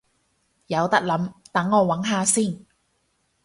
有得諗，等我搵下先